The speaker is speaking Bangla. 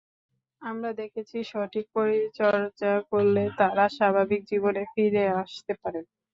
আমরা দেখেছি সঠিক পরিচর্যা করলে তাঁরা স্বাভাবিক জীবনে ফিরে আসতে পারেন।